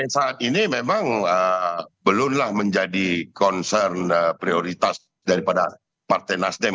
saat ini memang belumlah menjadi concern prioritas daripada partai nasdem